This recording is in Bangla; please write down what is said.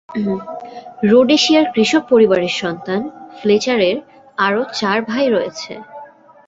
রোডেশিয়ার কৃষক পরিবারের সন্তান ফ্লেচারের আরও চার ভাই রয়েছে।